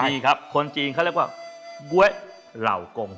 มีครับคนจีนเขาเรียกว่าบ๊วยเหล่ากง